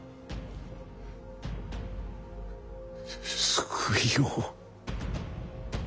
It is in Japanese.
救いを。